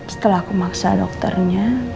setelah aku maksa dokternya